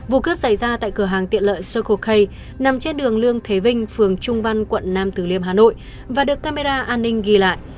vụ cướp xảy ra tại cửa hàng tiện lợi soiko kay nằm trên đường lương thế vinh phường trung văn quận nam tử liêm hà nội và được camera an ninh ghi lại